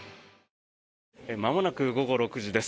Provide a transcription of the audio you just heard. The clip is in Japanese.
まもなく午後６時です。